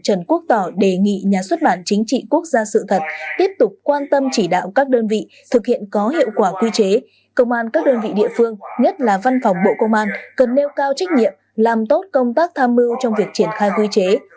trần quốc tỏ đề nghị nhà xuất bản chính trị quốc gia sự thật tiếp tục quan tâm chỉ đạo các đơn vị thực hiện có hiệu quả quy chế công an các đơn vị địa phương nhất là văn phòng bộ công an cần nêu cao trách nhiệm làm tốt công tác tham mưu trong việc triển khai quy chế